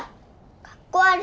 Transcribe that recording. かっこ悪い。